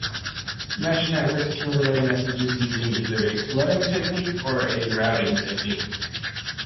Mesh networks can relay messages using either a "flooding" technique or a "routing" technique.